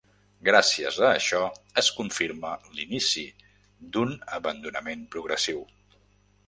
Gràcies a això es confirma l'inici d'un abandonament progressiu.